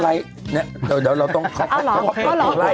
เดี๋ยวเราต้องขอบคุณไล่เลย